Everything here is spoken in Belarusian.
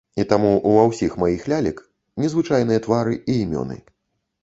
І таму ўва ўсіх маіх лялек незвычайныя твары і імёны.